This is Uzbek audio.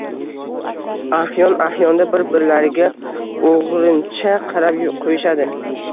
Ahyon-ahyonda bir-birlariga o’g’rincha qarab qo’yishadi.